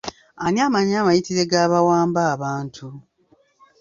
Ani amanyi amayitire g'abawamba abantu?